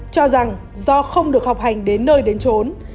cho rằng do không được học hành đến nơi đến trốn